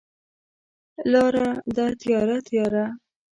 لاره ده تیاره، تیاره